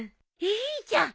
いいじゃん！